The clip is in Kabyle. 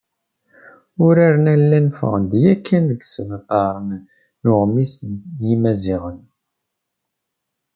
Uraren-a llan ffɣen-d yakan deg yisebtar n Uɣmis n Yimaziɣen.